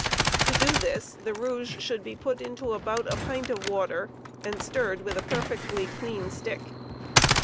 To do this the rouge should be put into about a pint of water and stirred with a perfectly clean stick.